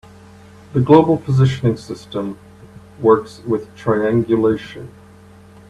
The global positioning system works with triangulation.